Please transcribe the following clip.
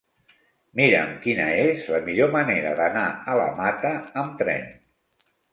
Mira'm quina és la millor manera d'anar a la Mata amb tren.